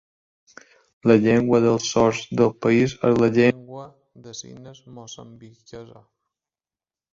La llengua dels sords del país és la llengua de signes moçambiquesa.